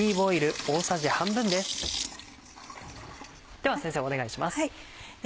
では先生お願いします。